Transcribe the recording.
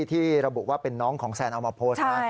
ที่ระบุว่าเป็นน้องของแซนเอามาโพสต์นะ